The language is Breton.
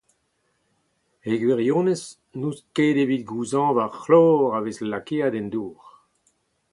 E gwirionez n’on ket evit gouzañv ar c’hlor a vez lakaet en dour.